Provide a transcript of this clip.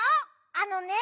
あのね